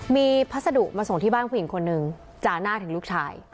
มีพัสดุมาส่งที่บ้านผู้หญิงคนนึงจ่าหน้าถึงลูกชาย